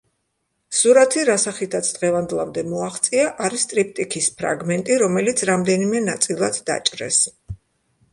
სურათი, რა სახითაც დღევანდლამდე მოაღწია, არის ტრიპტიქის ფრაგმენტი, რომელიც რამდენიმე ნაწილად დაჭრეს.